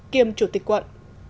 kiêm chủ tịch quận